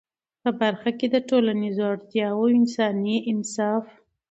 په برخه کي د ټولنیزو اړتیاوو او انساني انصاف